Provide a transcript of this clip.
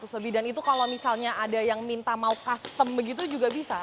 seratus lebih dan itu kalau misalnya ada yang minta mau custom begitu juga bisa